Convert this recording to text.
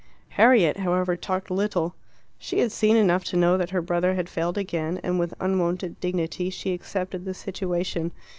Harriet, however, talked little. She had seen enough to know that her brother had failed again, and with unwonted dignity she accepted the situation.